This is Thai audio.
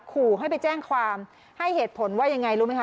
ขู่ให้ไปแจ้งความให้เหตุผลว่ายังไงรู้ไหมค